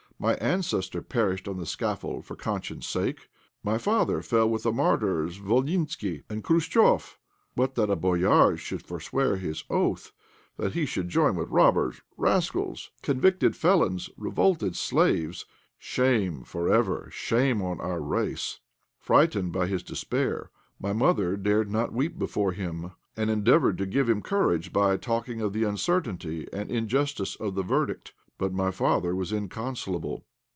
My ancestor perished on the scaffold for conscience sake, my father fell with the martyrs Volynski and Khuchtchoff, but that a 'boyár' should forswear his oath that he should join with robbers, rascals, convicted felons, revolted slaves! Shame for ever shame on our race!" Frightened by his despair, my mother dared not weep before him, and endeavoured to give him courage by talking of the uncertainty and injustice of the verdict. But my father was inconsolable.